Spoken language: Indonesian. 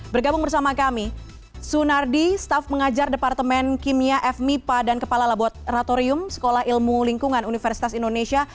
bergabung bersama kami sunardi staff mengajar departemen kimia fmipa dan kepala laboratorium sekolah ilmu lingkungan universitas indonesia